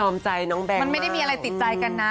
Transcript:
มันไม่ได้มีอะไรติดใจกันนะ